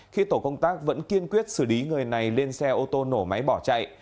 khi tổ công tác vẫn kiên quyết xử lý người này lên xe ô tô nổ máy bỏ chạy